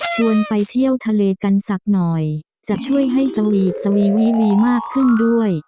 ชวนไปเที่ยวทะเลกันสักหน่อยจะช่วยให้สวีทสวีวีมีมากขึ้นด้วย